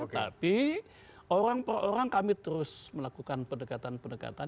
tapi orang per orang kami terus melakukan pendekatan pendekatan